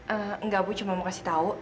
enggak bu cuma mau kasih tahu